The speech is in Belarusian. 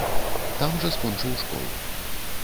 Там жа скончыў школу.